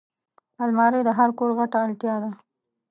الماري د هر کور غټه اړتیا ده